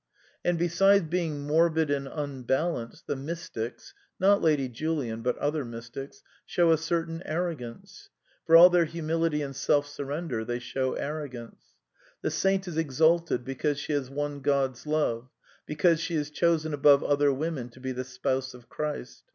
And besides being morbid and unbalanced the mystics — not Lady Julian, but other mystics — show a certain jyiiiymuM^ ~ For all their humility and self surrender they show arrogance. The saint is exalted because she has won God's love, because she is chosen above other women to be the Spouse of Christ.